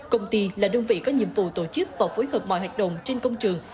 công ty là đơn vị có nhiệm vụ tổ chức và phối hợp mọi hoạt động trên công trường